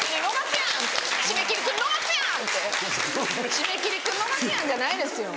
「締め切り君逃すやん！」じゃないですよ。